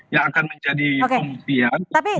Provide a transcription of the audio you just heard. yang akan menjadi pembuktian